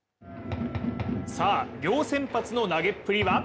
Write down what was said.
さあ、両先発の投げっぷりは？